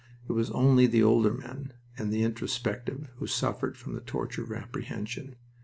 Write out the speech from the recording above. It was only the older men, and the introspective, who suffered from the torture of apprehension.